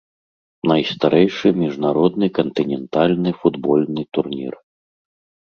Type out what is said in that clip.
Найстарэйшы міжнародны кантынентальны футбольны турнір.